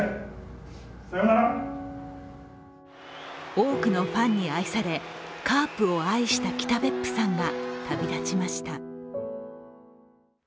多くのファンに愛されカープを愛した北別府さんが旅立ちました。